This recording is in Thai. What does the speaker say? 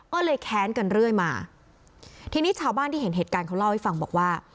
ก็เลยแค้นกันเรื่อยมาทีนี้ชาวบ้านที่เห็นเหตุการณ์เขาเล่าให้ฟังบอกว่า